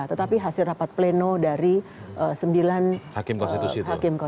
tetapi hasil rapat pleno dari sembilan hakim konstitusi